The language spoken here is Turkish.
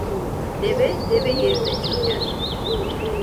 Deve deve yerine çöker.